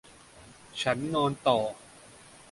ฉันนอนต่อ